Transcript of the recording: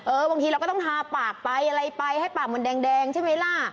บางทีเราก็ต้องทาปากไปอะไรไปให้ปากมันแดงใช่ไหมล่ะ